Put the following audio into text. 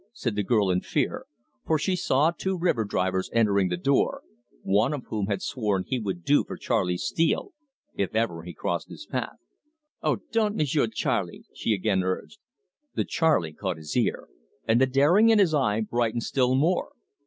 said the girl, in fear, for she saw two river drivers entering the door, one of whom had sworn he would do for Charley Steele if ever he crossed his path. "Oh, don't M'sieu' Charley!" she again urged. The "Charley" caught his ear, and the daring in his eye brightened still more.